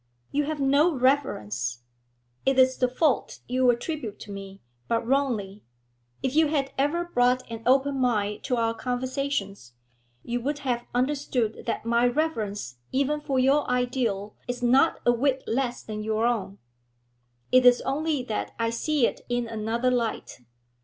You have no reverence. It is the fault you attribute to me, but wrongly; if you had ever brought an open mind to our conversations, you would have understood that my reverence even for your ideal is not a wit less than your own; it is only that I see it in another light.